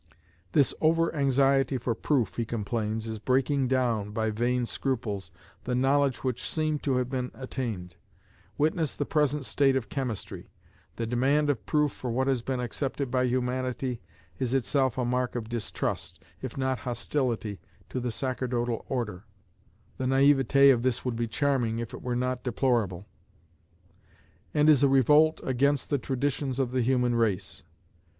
This over anxiety for proof, he complains, is breaking down, by vain scruples, the knowledge which seemed to have been attained; witness the present state of chemistry. The demand of proof for what has been accepted by Humanity, is itself a mark of "distrust, if not hostility, to the sacerdotal order" (the naïveté of this would be charming, if it were not deplorable), and is a revolt against the traditions of the human race.